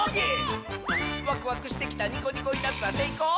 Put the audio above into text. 「ワクワクしてきたニコニコいたずら」「せいこう？